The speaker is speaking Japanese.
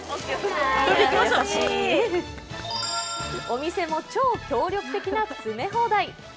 お店も超協力的な詰め放題。